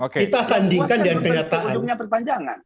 kita sandingkan dengan kenyataan